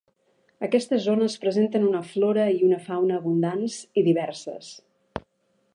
Aquestes zones presenten una flora i una fauna abundants i diverses.